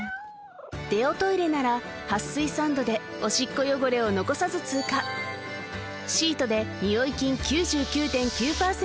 デオトイレなら撥水サンドでオシッコ汚れを残さず通過シートでニオイ菌９９．９％